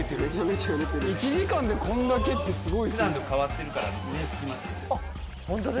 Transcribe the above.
１時間でこんだけってすごい。